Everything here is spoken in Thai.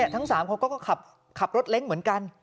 ทั้ง๓คนก็ขับรถเล้งเหมือนกัน